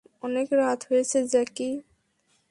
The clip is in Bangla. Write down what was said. অনেক রাত হয়েছে, জ্যাকি।